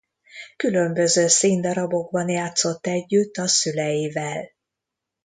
Különböző színdarabokban játszott együtt a szüleivel.